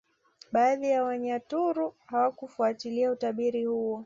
Baadhi ya Wanyaturu hawakufuatilia utabiri huo